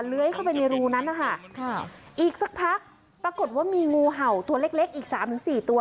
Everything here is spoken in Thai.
เลื้อยเข้าไปในรูนั้นนะคะอีกสักพักปรากฏว่ามีงูเห่าตัวเล็กเล็กอีกสามถึงสี่ตัว